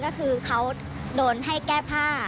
ก็คือเขาโดนให้แก้ผ้า